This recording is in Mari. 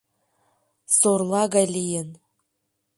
— Сорла гай лийын.